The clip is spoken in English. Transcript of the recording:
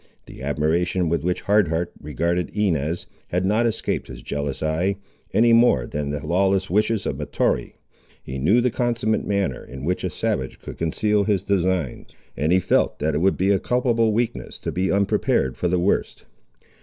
The admiration with which Hard Heart regarded Inez, had not escaped his jealous eye, any more than had the lawless wishes of Mahtoree. He knew the consummate manner in which a savage could conceal his designs, and he felt that it would be a culpable weakness to be unprepared for the worst.